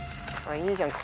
いいじゃん